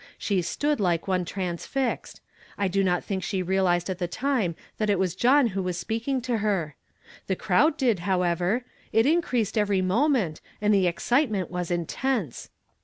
She stood like one transfixed; I tlo not think she realized at the time that it was John who was speaking to her. The crowd did, however; it increased every moment, and the excitement was intense.